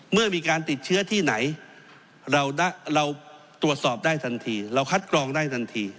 เมื่อมีการติดเชื้อที่ไหนเราตรวจสอบได้ทันทีเราคัดกรองได้ทันที